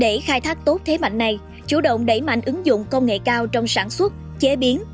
để khai thác tốt thế mạnh này chủ động đẩy mạnh ứng dụng công nghệ cao trong sản xuất chế biến